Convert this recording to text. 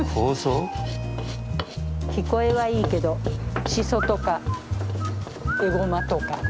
聞こえはいいけどしそとかエゴマとか。